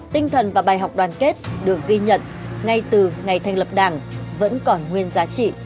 tinh thần và bài học đoàn kết được ghi nhận ngay từ ngày thành lập đảng vẫn còn nguyên giá trị